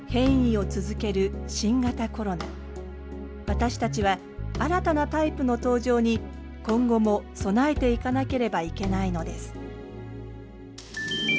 私たちは新たなタイプの登場に今後も備えていかなければいけないのです。